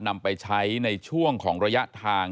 นำไปใช้ในช่วงของระยะทาง